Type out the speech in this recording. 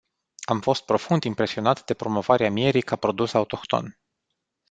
Am fost profund impresionat de promovarea mierii ca produs autohton.